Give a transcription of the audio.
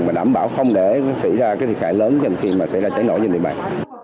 và đảm bảo không để xảy ra thiệt hại lớn trong khi xảy ra cháy nổ trên địa bàn